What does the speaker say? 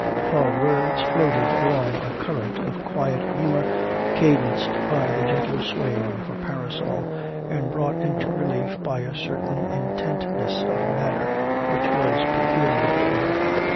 Her words floated along a current of quiet humour cadenced by the gentle swaying of her parasol, and brought into relief by a certain intentness of manner which was peculiar to her.